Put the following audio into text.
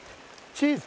チーズ！